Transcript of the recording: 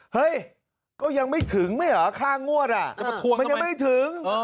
เฮ้ยก็ยังไม่ถึงไม่เหรอค่างวดมันยังไม่ถึง